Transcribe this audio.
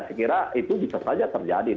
saya kira itu bisa saja terjadi